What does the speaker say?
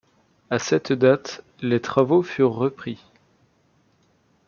À cette date, les travaux furent repris.